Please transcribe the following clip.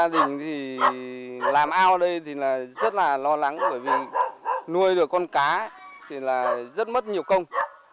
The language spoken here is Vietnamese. đây là rất là lo lắng bởi vì nuôi được con cá thì là rất mất nhiều công